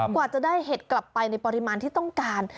กว่าจะได้เห็ดกลับไปในปริมาณที่ต้องการ